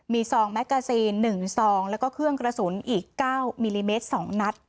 มีซองแมกกาซีน๑ซองแล้วก็เครื่องกระสุนอีก๙มิลลิเมตร๒นัด